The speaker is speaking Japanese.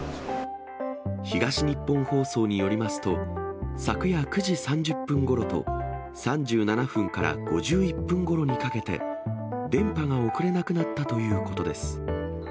東日本放送によりますと、昨夜９時３０分ごろと、３７分から５１分ごろにかけて、電波が送れなくなったということです。